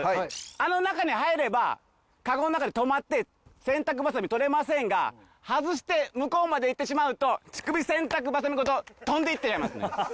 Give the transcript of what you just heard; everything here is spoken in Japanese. あの中に入ればカゴの中で止まって洗濯バサミ取れませんが外して向こうまで行ってしまうと乳首洗濯バサミごと飛んでいっちゃいますね。